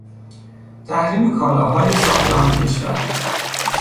تحریم کالاهای ساخت آن کشور